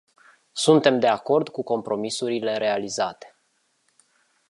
Suntem de acord cu compromisurile realizate.